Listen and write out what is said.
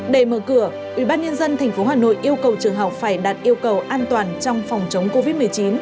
để mở cửa ubnd tp hà nội yêu cầu trường học phải đạt yêu cầu an toàn trong phòng chống covid một mươi chín